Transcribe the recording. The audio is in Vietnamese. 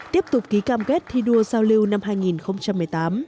tiếp tục ký cam kết thi đua giao lưu năm hai nghìn một mươi tám